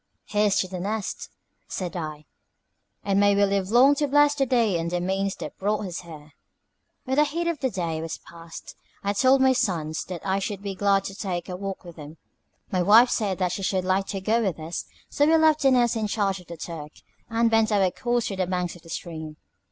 "Here's to 'The Nest,'" said I; "and may we live long to bless the day and the means that brought us here." When the heat of the day was past, I told my sons that I should be glad to take a walk with them. My wife said that she should like to go with us; so we left The Nest in charge of Turk, and bent our course to the banks of the stream.